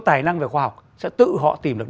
tài năng về khoa học sẽ tự họ tìm được